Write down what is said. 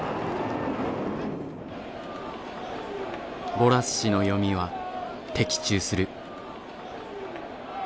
ボラス氏の読みは的中する。